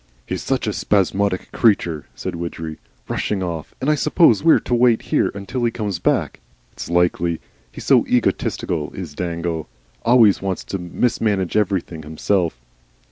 "He's such a spasmodic creature," said Widgery. "Rushing off! And I suppose we're to wait here until he comes back! It's likely. He's so egotistical, is Dangle. Always wants to mismanage everything himself."